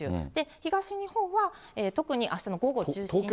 東日本は特にあしたの午後を中心に風強まります。